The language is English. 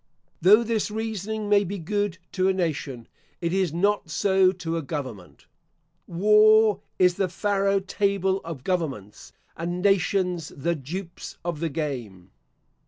Though this reasoning may be good to a nation, it is not so to a government. War is the Pharo table of governments, and nations the dupes of the game.